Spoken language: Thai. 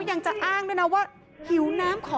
มีทางออกมาอีก